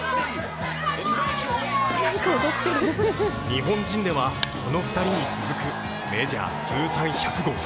日本人ではこの２人に続くメジャー通算１００号。